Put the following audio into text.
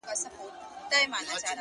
بدكارمو كړی چي وركړي مو هغو ته زړونه’